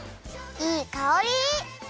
いいかおり！